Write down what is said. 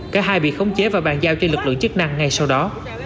cả hai bị khống chế và bàn giao cho lực lượng chức năng ngay sau đó